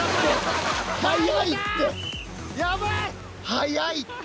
早いって！